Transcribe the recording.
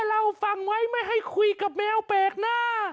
เราฟังไว้ไม่ให้คุยกับแมวแปลกหน้า